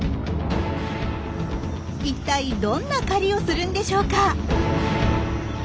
一体どんな狩りをするんでしょうか？